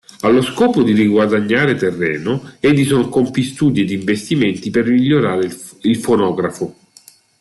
Allo scopo di riguadagnare terreno Edison compì studi e investimenti per migliorare il fonografo.